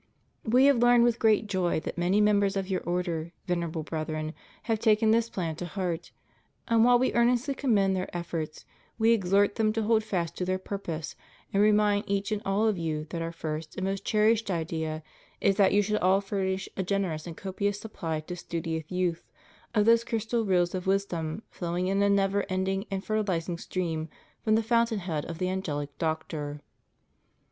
We have learned with great joy that many members of your order, Venerable Brethren, have taken this plan to heart; and while We earnestly commend their efforts, We exhort them to hold fast to their purpose, and remind each and all of you that Our first and most cherished idea is that you should all furnish a generous and copious supply to studious youth of those crystal rills of wisdom flowing in a never ending and fertiUzing stream from the fountain head of the Angehc Doctor.